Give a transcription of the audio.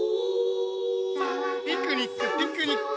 ピクニックピクニック！